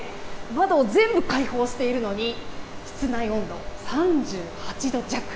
窓を全部開放しているのに室内温度３８度弱。